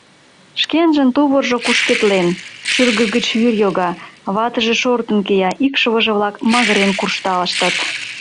Шкенжын тувыржо кушкедлен, шӱргыж гыч вӱр йога; ватыже шортын кия, икшывыже-влак магырен куржталыштыт...